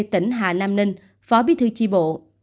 tỉnh hà nam ninh phó bí thư chi bộ